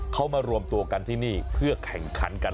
เขามารวมตัวกันที่นี่เพื่อแข่งขันกัน